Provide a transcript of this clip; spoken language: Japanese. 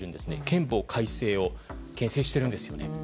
憲法改正をけん制しているんですね。